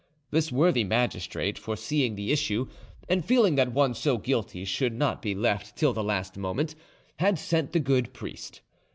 This worthy magistrate, foreseeing the issue, and feeling that one so guilty should not be left till the last moment, had sent the good priest.